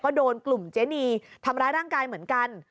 ก็โดนกลุ่มเจนีทำร้ายร่างกายเหมือนกัน